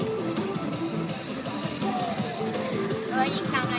เตะอยู่กับพี่